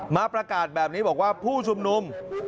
มาประกาศแบบนี้บอกว่าผู้ชุมนุม